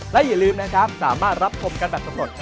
และอย่าลืมนะครับสามารถรับชมกันแบบสำรวจ